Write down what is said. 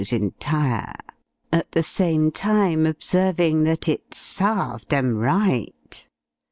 's Entire;" at the same time observing, that it sarved 'em right!